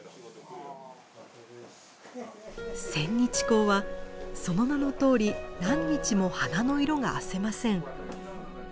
千日紅はその名のとおり何日も花の色があせません。